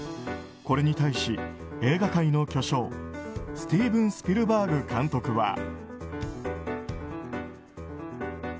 これに対し、映画界の巨匠スティーブン・スピルバーグ監督は。